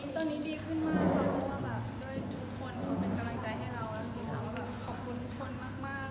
ตอนนี้ดีขึ้นมาก